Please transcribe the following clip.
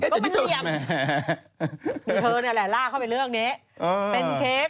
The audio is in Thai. ก็เป็นเหลี่ยมมีเธอนี่แหละล่าเข้าไปเรื่องนี้เป็นเค้ก